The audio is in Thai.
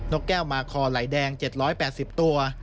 กแก้วมาคอไหลแดง๗๘๐ตัว